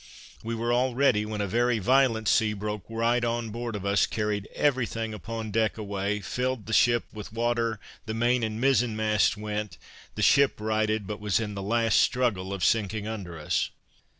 We were all ready, when a very violent sea broke right on board of us, carried every thing upon deck away, filled the ship with water, the main and mizen masts went, the ship righted, but was in the last struggle of sinking under us.